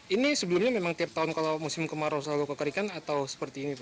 ini sebelumnya memang tiap tahun kalau musim kemarau selalu kekerikan atau seperti ini pak